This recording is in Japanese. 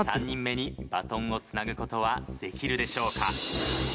３人目にバトンをつなぐ事はできるでしょうか。